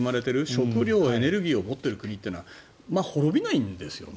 食料、エネルギーを持っている国というのは滅びないんですよ。